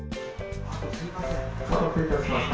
「お待たせいたしました。